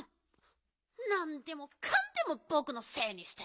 なんでもかんでもぼくのせいにして。